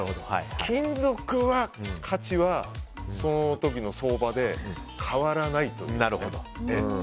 金属は価値はその時の相場で変わらないというね。